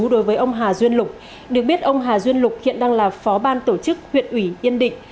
đối với ông hà duyên lục được biết ông hà duyên lục hiện đang là phó ban tổ chức huyện ủy yên định